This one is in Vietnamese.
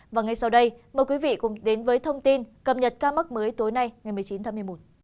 và ngay sau đây mời quý vị cùng đến với thông tin cập nhật ca mắc mới tối nay ngày một mươi chín tháng một mươi một